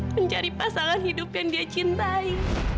mencari pasangan hidup yang dia cintai